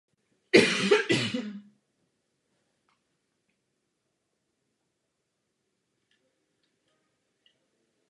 Salisbury není napojeno na dálniční síť.